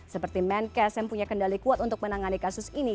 seperti menkes yang punya kendali kuat untuk menangani kasus ini